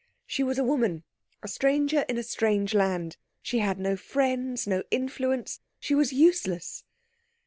She was a woman, a stranger in a strange land, she had no friends, no influence she was useless.